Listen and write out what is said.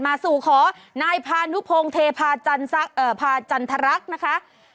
มาสู่ขอนายพานุโพงเทพาจันทรักนะคะ